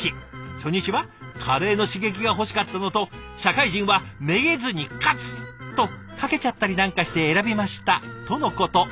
初日はカレーの刺激が欲しかったのと社会人はめげずにカツ！とかけちゃったりなんかして選びました」とのこと。